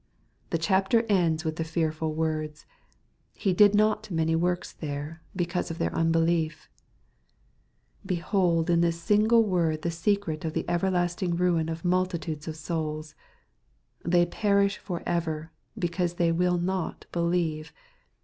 The chapter ends with the fearful words, " He did not many works there, because of their unbelief Behold in this single word the secret of the everlast ing ruin of multitudes of souls I They perish for ever, because they will not believe.